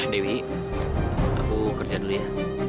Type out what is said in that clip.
dewi aku kerja dulu ya